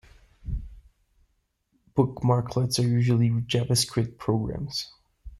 Bookmarklets are usually JavaScript programs.